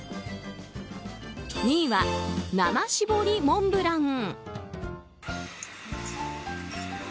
２位は、生搾りモンブラン。